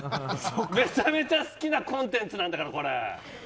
めちゃめちゃ好きなコンテンツなんだから。